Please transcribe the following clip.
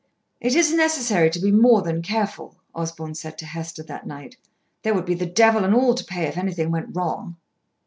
"It is necessary to be more than careful," Osborn said to Hester that night. "There would be the devil and all to pay if anything went wrong."